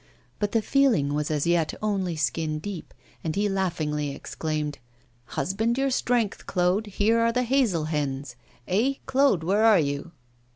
But the feeling was as yet only skin deep, and he laughingly exclaimed: 'Husband your strength, Claude, here are the hazel hens. Eh! Claude, where are you?